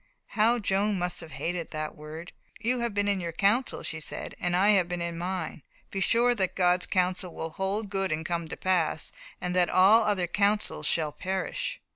how Joan must have hated that word! "You have been in your council," she said, "and I have been in mine. Be sure that God's counsel will hold good and come to pass, and that all other counsel shall perish."